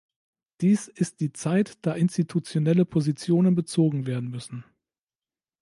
Dies ist die Zeit, da institutionelle Positionen bezogen werden müssen.